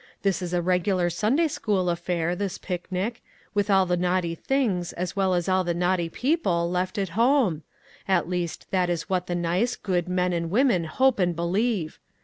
This is a regular Sunday school affair, this picnic, with all the naughty things, as well as all the naughty people, left at home. At least, that is what the nice, good men and women hope and believe.